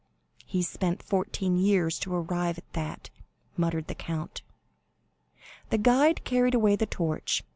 "He spent fourteen years to arrive at that," muttered the count. The guide carried away the torch.